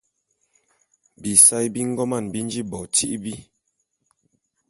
Bisae bi ngoman bi nji bo tîbi.